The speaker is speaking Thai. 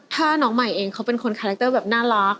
ถ้าน้องใหม่เองเขาเป็นคนคาแรคเตอร์แบบน่ารัก